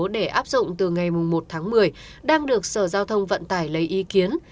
để áp dụng từ ngày một tháng một mươi đang được sở giao thông vận tải lấy ý kiến